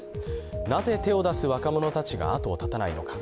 なぜ手を出す若者たちが後を絶たないのか。